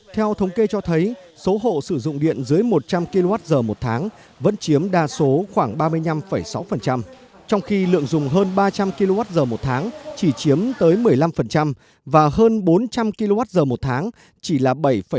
theo thống kê cho thấy số hộ sử dụng điện dưới một trăm linh kwh một tháng vẫn chiếm đa số khoảng ba mươi năm sáu trong khi lượng dùng hơn ba trăm linh kwh một tháng chỉ chiếm tới một mươi năm và hơn bốn trăm linh kwh một tháng chỉ là bảy tám